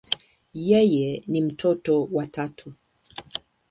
Yeye ni mtoto wa tatu.